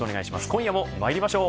今夜もまいりましょう。